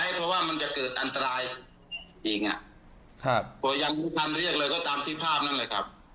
ก็เดินดูบัตรเหตุก่อนแล้ว